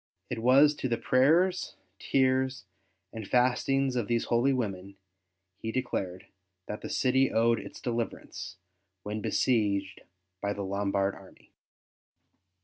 It was to the prayers, tears, and fastings of these holy women, he declared, that the city owed its deliverance, when besieged by the Lombard army.